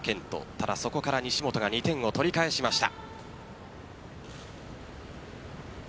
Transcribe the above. ただ、そこから西本が２点を取り返しました。